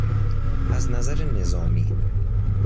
از نظر نظامی